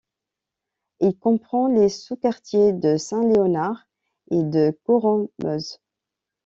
Il comprend les sous-quartiers de Saint-Léonard et de Coronmeuse.